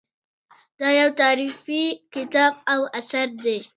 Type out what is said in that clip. دا یو تالیفي کتاب او اثر دی.